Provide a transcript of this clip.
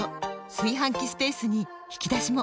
炊飯器スペースに引き出しも！